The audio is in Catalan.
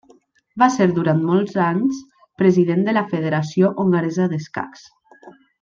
Va ser durant molts anys president de la Federació hongaresa d'escacs.